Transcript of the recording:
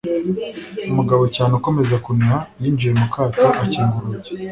Umugabo cyane ukomeza kuniha Yinjiye mu kato akinga urugi